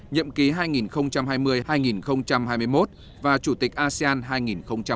nhậm ký hai nghìn hai mươi hai nghìn hai mươi một và chủ tịch asean hai nghìn hai mươi